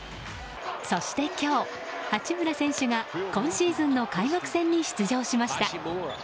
そして今日、八村選手が今シーズンの開幕戦に出場しました。